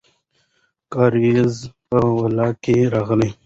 کارېز په ولکه کې راغی.